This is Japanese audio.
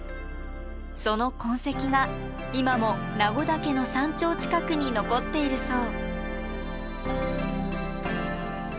その痕跡が今も名護岳の山頂近くに残っているそう。